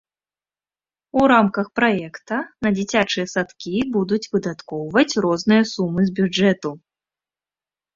У рамках праекта на дзіцячыя садкі будуць выдаткоўваць розныя сумы з бюджэту.